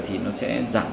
thì nó sẽ giảm